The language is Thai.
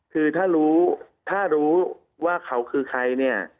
คือถ้ารู้ว่าเขาคือใคร